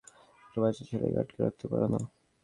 একটা বাচ্চা ছেলেকে আটকে রাখতে পারো না?